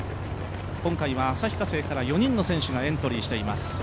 今回は旭化成から４人の選手がエントリーしています。